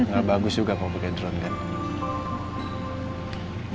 gak bagus juga kalo pake dron kan